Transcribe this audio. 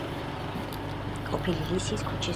ყოფილი ლისის ქუჩის მონაკვეთი.